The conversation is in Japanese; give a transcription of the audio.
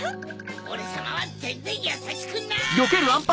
オレさまはぜんぜんやさしくない！